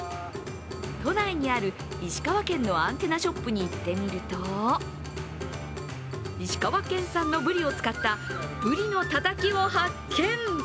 都内にある石川県のアンテナショップに行ってみると石川県産のブリを使った、鰤のたたきを発見。